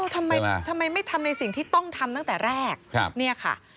ทำไมไม่ทำในสิ่งที่ต้องทำตั้งแต่แรก